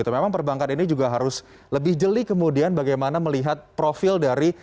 memang perbankan ini juga harus lebih jeli kemudian bagaimana melihat profil dari